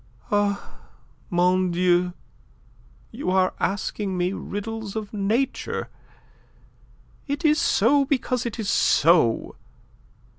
"Ah, mon Dieu, you are asking me riddles of nature. It is so because it is so.